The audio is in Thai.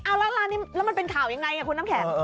แล้วร้านนี้มันเป็นข่าวยังไงคุณน้ำแขก